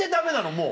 もう。